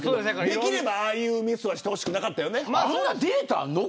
できれば、ああいうミスはしてほしくなかったよね。